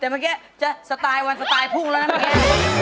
แต่เมื่อกี้จะสไตล์วันสไตล์พุ่งแล้วนะเมื่อกี้